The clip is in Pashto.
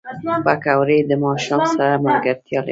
پکورې د ماښام سره ملګرتیا لري